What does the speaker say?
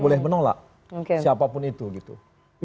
boleh menolak siapapun itu gitu